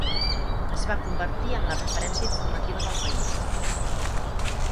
Es va convertir en la referència informativa del país.